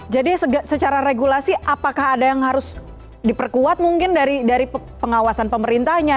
jadi secara regulasi apakah ada yang harus diperkuat mungkin dari pengawasan pemerintahnya